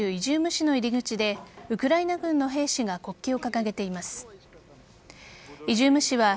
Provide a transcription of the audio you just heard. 市の入り口でウクライナ軍の兵士が国旗を掲げています。